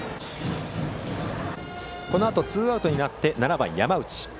このあとツーアウトになり７番の山内。